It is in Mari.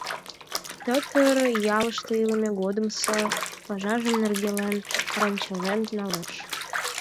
Пӧтыр ялыште илыме годымсо пашажым нергелен, рончылен налеш.